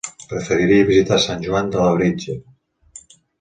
Preferiria visitar Sant Joan de Labritja.